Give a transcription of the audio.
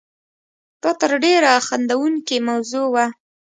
دا تر ډېره خندوونکې موضوع وه.